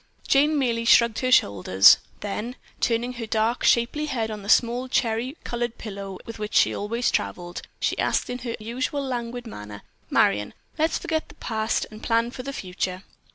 Jane merely shrugged her shoulders, then turning her dark, shapely head on the small cherry colored pillow with which she always traveled, she asked in her usual languid manner, "Marion, let's forget the past and plan for the future."